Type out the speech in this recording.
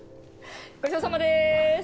ごちそうさまです！